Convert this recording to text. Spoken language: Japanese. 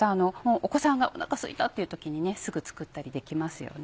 お子さんがおなかすいたっていう時にすぐ作ったりできますよね。